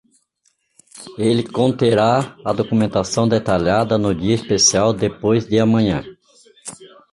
Ele conterá a documentação detalhada no dia especial depois de amanhã.